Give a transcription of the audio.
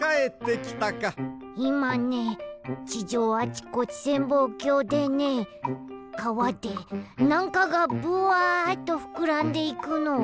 いまね地上あちこち潜望鏡でねかわでなんかがブワッとふくらんでいくのをみたよ。